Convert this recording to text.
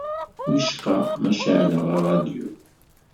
Wicqa ma ceεleɣ rradyu?